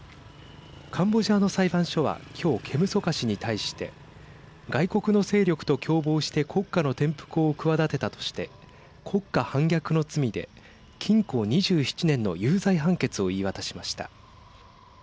カンボジアの裁判所は今日ケム・ソカ氏に対して外国の勢力と共謀して国家の転覆を企てたとして国家反逆の罪で禁錮２７年の有罪判決を言い渡しました。